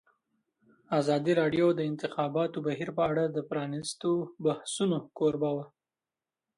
ازادي راډیو د د انتخاباتو بهیر په اړه د پرانیستو بحثونو کوربه وه.